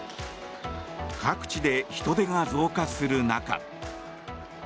各地で人出が増加する中。